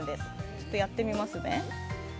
ちょっとやってみますね。